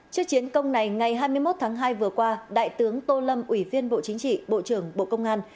trước chiến công này ngày hai mươi một tháng hai vừa qua đại tướng tô lâm ủy viên bộ chính trị bộ trưởng bộ công an